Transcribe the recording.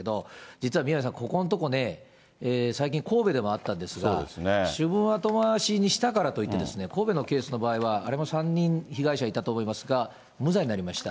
実は宮根さん、ここのところね、最近、神戸でもあったんですが、主文後回しにしたからといって、神戸のケースの場合は、あれも３人被害者いたと思いますが、無罪になりました。